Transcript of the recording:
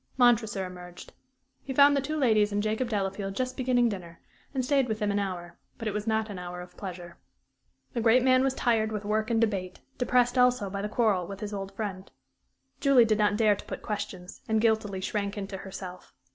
Montresor emerged. He found the two ladies and Jacob Delafield just beginning dinner, and stayed with them an hour; but it was not an hour of pleasure. The great man was tired with work and debate, depressed also by the quarrel with his old friend. Julie did not dare to put questions, and guiltily shrank into herself.